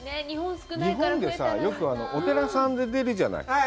日本は、よくお寺さんで出るじゃない？